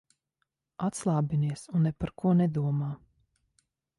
Atslābinies un ne par ko nedomā.